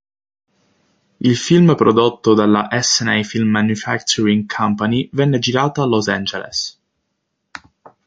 Il film, prodotto dalla Essanay Film Manufacturing Company, venne girato a Los Angeles.